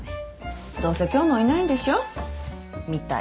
どうせ今日もいないんでしょ？みたい。